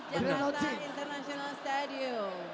jakarta international stadium